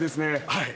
はい。